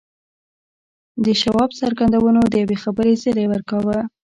د شواب څرګندونو د یوې خبرې زیری ورکاوه